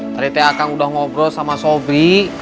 tadi teh akang udah ngobrol sama sobri